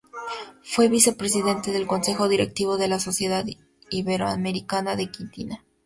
Fue Vicepresidente del Consejo Directivo de la Sociedad Iberoamericana de Quitina.